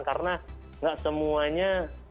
karena tidak semuanya